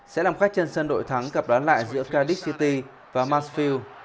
sẽ làm khách trên sân đội thắng cặp đoán lại giữa cardiff city và mansfield